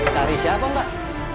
cari siapa mbak